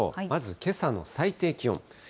まずけさの最低気温。